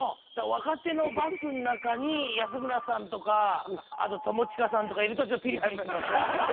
だから若手のバスの中に安村さんとかあと友近さんとかいるとちょっとピリピリしますね。